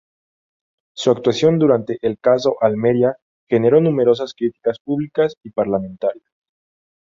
Su actuación durante el caso Almería generó numerosas críticas públicas y parlamentarias.